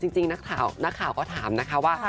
จริงนักข่าวก็ถามนะคะว่า